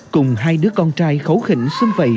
cùng hai đứa con trai khấu khỉnh xưng vậy